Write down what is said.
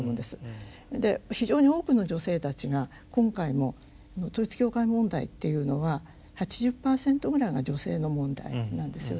で非常に多くの女性たちが今回の統一教会問題っていうのは８０％ぐらいが女性の問題なんですよね。